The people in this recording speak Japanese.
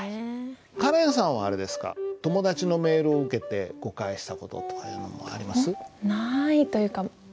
カレンさんはあれですか友達のメールを受けて誤解した事とかあります？